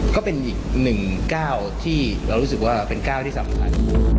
ก็เป็นอีกหนึ่งก้าวที่เรารู้สึกว่าเป็นก้าวที่สำคัญ